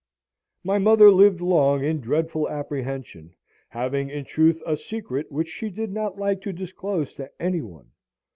My mother lived long in dreadful apprehension, having in truth a secret, which she did not like to disclose to any one.